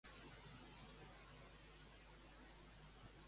Volta per aquí una catalana independentista que no sap escriure